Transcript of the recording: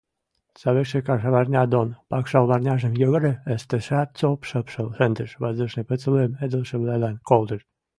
Савикшӹ кашарварня дон покшалварняжым йӹгӹре ӹштӹшӓт, «цоп!» шыпшал шӹндыш, «воздушный поцелуйым» ыдылшывлӓлӓн колтыш.